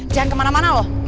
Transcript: jangan kemana mana loh